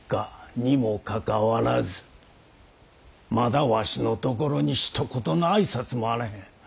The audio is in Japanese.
にもかかわらずまだわしのところにひと言の挨拶もあらへん。